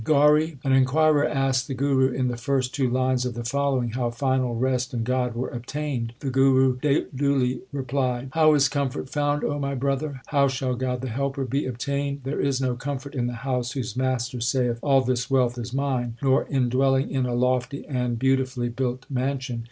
GAURI An inquirer asked the Guru in the first two lines of the following how final rest and God were obtained. The Guru duly replied : How is comfort found, O my brother ? How shall God the helper be obtained ? There is no comfort in the house whose master saith All this wealth is mine ; Nor in dwelling in a lofty and beautifully built mansion.